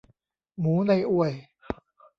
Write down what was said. หมูในอวย